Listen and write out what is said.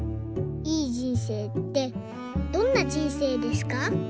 いい人生ってどんな人生ですか？」。